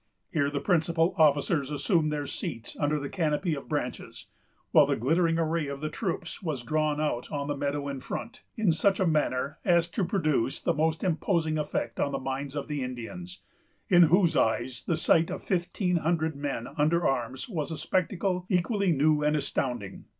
Here the principal officers assumed their seats under the canopy of branches, while the glittering array of the troops was drawn out on the meadow in front, in such a manner as to produce the most imposing effect on the minds of the Indians, in whose eyes the sight of fifteen hundred men under arms was a spectacle equally new and astounding.